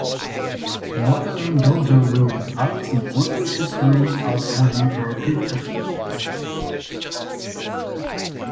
Mother and daughter wearing Alice in wonderland customs are posing for a picture.